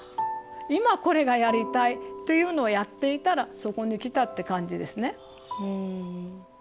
今これがやりたいというのをやっていたらそこに来たって感じですね。